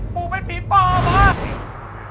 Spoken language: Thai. ปู่เป็นผีปอบเหรอ